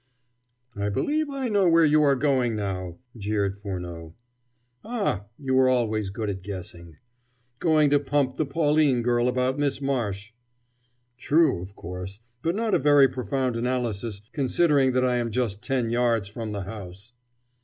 "I believe I know where you are going now!" jeered Furneaux. "Ah, you were always good at guessing." "Going to pump the Pauline girl about Miss Marsh." "True, of course, but not a very profound analysis considering that I am just ten yards from the house."